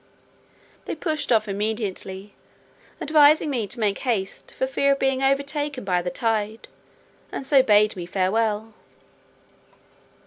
They pushed off immediately, advising me to make haste for fear of being overtaken by the tide, and so bade me farewell.